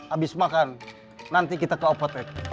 habis makan nanti kita ke opotek